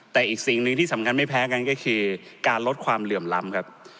แต่อีกสิ่งหนึ่งที่สำคัญไม่แพ้กันก็คือการลดความเหลื่อมล้ำครับ